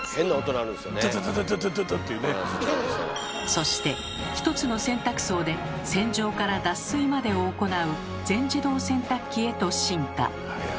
そして１つの洗濯槽で洗浄から脱水までを行う「全自動洗濯機」へと進化。